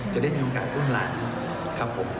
จะได้มีโอกาสอุ้มหลานครับผม